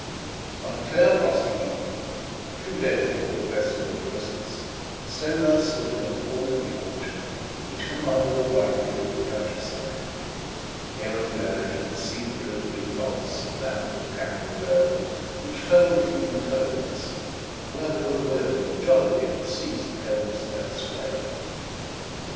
On a clear frosty evening, a few days before the festival of Christmas, Stoner stood in a corner of the orchard which commanded a wide view of the countryside. Here and there he could see the twinkling dots of lamp or candle glow which told of human homes where the goodwill and jollity of the season held their sway.